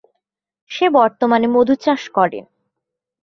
সে বর্তমানে মধু চাষ করেন।